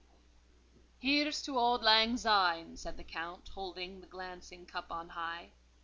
"Here's to Auld Lang Syne!" said the Count; holding the glancing cup on high.